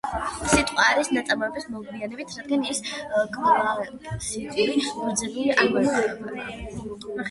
სიტყვა არის ნაწარმოები მოგვიანებით რადგან ის კლასიკურ ბერძნულში არ მოიპოვება.